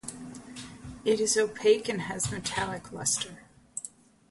It is opaque and has metallic luster.